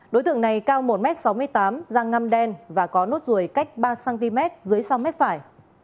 đối tượng này cao một m sáu mươi tám da ngăm đen và có nốt ruồi cách ba cm dưới sau mắt phải